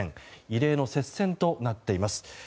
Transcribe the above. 異例の接戦となっています。